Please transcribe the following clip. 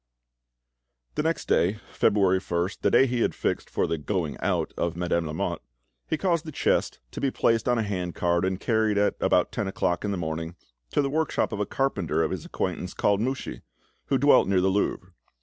The next day, February 1st, the day he had fixed for the "going out" of Madame de Lamotte, he caused the chest to be placed on a hand cart and carried at about ten o'clock in the morning to the workshop of a carpenter of his acquaintance called Mouchy, who dwelt near the Louvre.